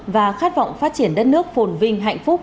và khát vọng phát triển đất nước phồn vinh hạnh phúc